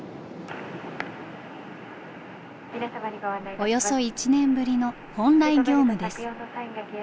およそ１年ぶりの本来業務です。